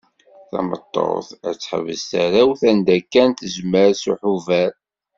Tameṭṭut ad teḥbes tarrawt anda kan tezmer s uḥebber.